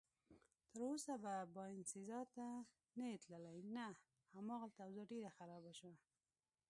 تراوسه به باینسیزا ته نه یې تللی؟ نه، هماغلته اوضاع ډېره خرابه شوه.